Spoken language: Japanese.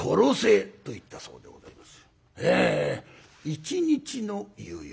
「一日の猶予を」。